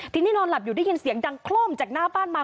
ทีนี้นอนหลับอยู่ได้ยินเสียงดังโครมจากหน้าบ้านมา